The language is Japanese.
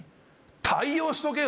対応しとけよ